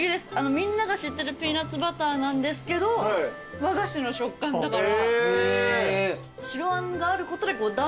みんなが知ってるピーナツバターなんですけど和菓子の食感だから。